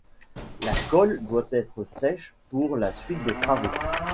la colle doit être sèche pour la suite des travaux